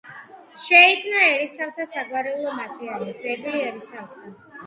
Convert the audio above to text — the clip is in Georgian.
შეიქმნა ერისთავთა საგვარეულო მატიანე „ძეგლი ერისთავთა“.